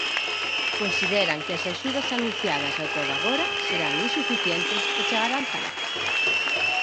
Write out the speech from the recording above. Consideran que as axudas anunciadas ata o de agora serán insuficientes e chegarán tarde.